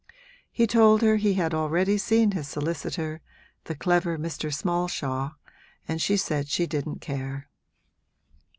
He told her he had already seen his solicitor, the clever Mr. Smallshaw, and she said she didn't care.